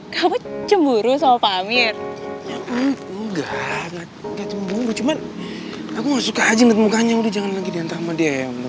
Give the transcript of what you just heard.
kamu tuh ya bisa ngihendang orang dulu